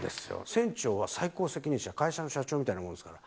船長は最高責任者、会社の社長みたいなものですから。